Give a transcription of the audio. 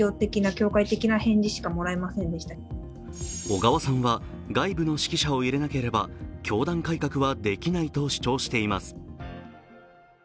小川さんは外部の識者を入れなければ教団改革はできないと主張しています。